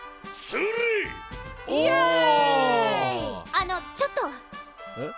あのちょっと。え？